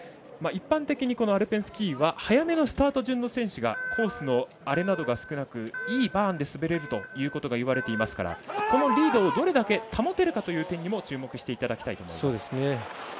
一般的にアルペンスキーは早めのスタート順の選手がコースのあれなどがなくいいバーンで滑れるということがいわれていますからこのリードをどれだけ保てるかという点にも注目していただきたいと思います。